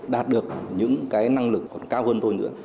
đạt được những cái năng lực còn cao hơn tôi nữa